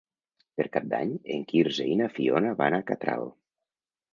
Per Cap d'Any en Quirze i na Fiona van a Catral.